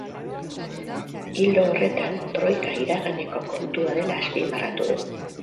Ildo horretan, troika iraganeko kontua dela azpimarratu du.